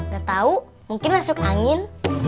gak tahu mungkin masuk angin